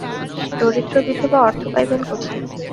দরিদ্র বিধবা অর্থ পাইবেন কোথায়।